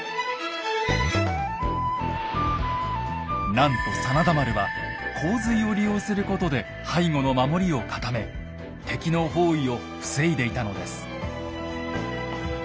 なんと真田丸は洪水を利用することで背後の守りを固め敵の包囲を防いでいたのです。